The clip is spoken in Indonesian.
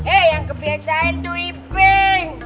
eh yang kebiasaan tuh iping